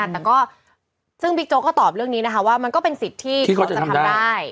แต่ก็ซึ่งบิ๊กโจ๊กก็ตอบเรื่องนี้นะคะว่ามันก็เป็นสิทธิ์ที่เขาจะทำได้